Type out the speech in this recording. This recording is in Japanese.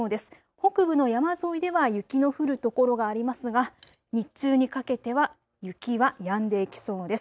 北部の山沿いでは雪の降る所がありますが日中にかけては雪はやんでいきそうです。